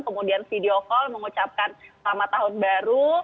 kemudian video call mengucapkan selamat tahun baru